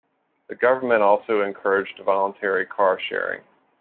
The government also encouraged voluntary car sharing.